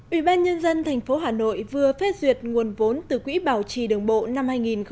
ủy ban nhân dân thành phố hà nội vừa phép duyệt nguồn vốn từ quỹ bảo trì đường bộ năm hai nghìn một mươi chín